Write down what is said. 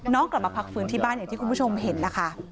กลับมาพักฟื้นที่บ้านอย่างที่คุณผู้ชมเห็นนะคะ